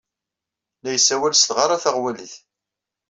La yessawal s tɣara taɣwalit.